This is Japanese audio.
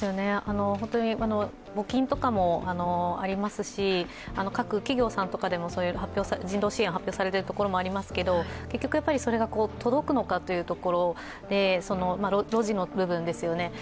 本当に、募金とかもありますし各企業さんとかでも人道支援を発表されているところもありますけれども、結局、それが届くのかというところで、ロジの部分ですよね。